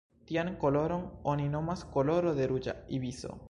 Tian koloron oni nomas koloro de ruĝa ibiso.